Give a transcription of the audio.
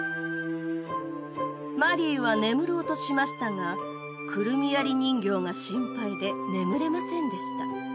マリーは眠ろうとしましたがくるみわり人形が心配で眠れませんでした。